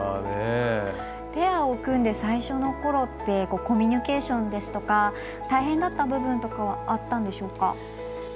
ペアを組んで最初のころってコミュニケーションですとか大変だった部分とかはあったんでしょうか？